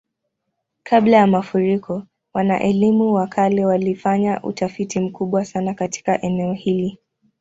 Kabla ya mafuriko, wana-elimu wa kale walifanya utafiti mkubwa sana katika eneo hili.